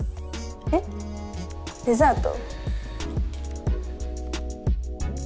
えっデザート？